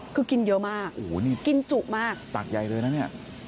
ก็กินเยอะมากกินจุปมากตักใหญ่เลยนะเนี่ย